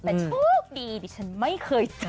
เป็นช่วงดีที่ฉันไม่เคยเจอ